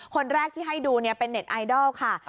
คนแรกที่ให้ดูเป็นเน็ตไอดอลค่ะ